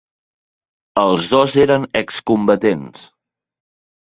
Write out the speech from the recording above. Els dos eren excombatents.